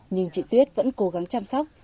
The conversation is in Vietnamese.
nhưng chị tuyết vẫn cố gắng chăm sóc